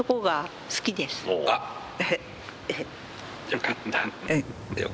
よかった。